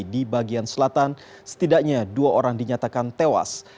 di bagian selatan setidaknya dua orang dinyatakan tewas